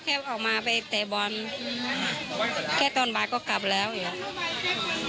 แค่ออกมาไปเตะบอลแค่ตอนบ้านก็กลับแล้วอยู่